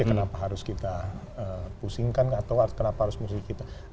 kenapa harus kita pusingkan atau kenapa harus pusingkan